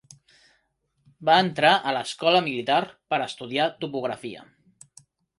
Va entrar a l'escola militar per estudiar topografia.